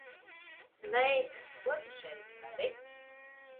Sveika. Ko tu šeit dari?